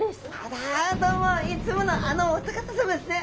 どうもいつものあのお二方さまですね。